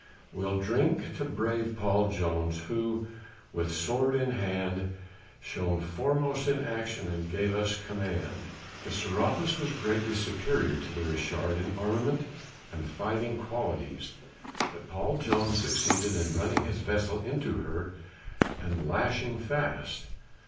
We'll drink to brave Paul Jones, who, with sword in hand, Shone foremost in action, and gave us command. The Serapis was greatly superior to the Richard in armament and fighting qualities, but Jones succeeded in running his vessel into her and lashing fast.